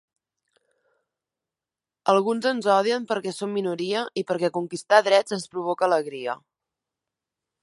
Alguns ens odien perquè som minoria i perquè conquistar drets ens provoca alegria.